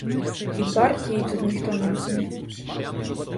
І партії тут ніхто не розумів.